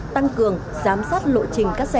tăng cường giám sát lộ trình các sản phẩm